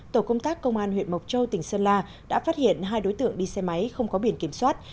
tổ công tác công an huyện mộc châu tỉnh sơn la đã phát hiện hai đối tượng đi xe máy không có biển kiểm soát